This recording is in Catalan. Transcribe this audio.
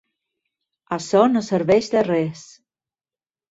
Açò no serveix de res.